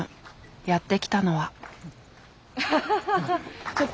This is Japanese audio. やって来たのは。